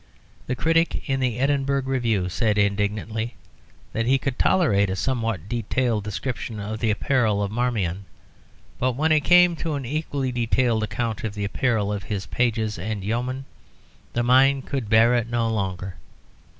The critic in the Edinburgh Review said indignantly that he could tolerate a somewhat detailed description of the apparel of Marmion, but when it came to an equally detailed account of the apparel of his pages and yeomen the mind could bear it no longer.